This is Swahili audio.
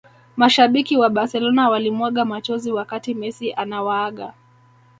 Mashabiki wa barcelona walimwaga machozi wakati messi anawaaga